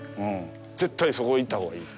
絶対、そこ行ったほうがいいって。